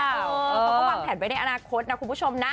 เขาก็วางแผนไว้ในอนาคตนะคุณผู้ชมนะ